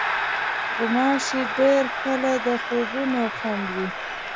غوماشې ډېر کله د خوبونو خنډ وي.